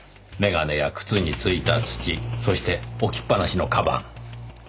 眼鏡や靴についた土そして置きっぱなしの鞄。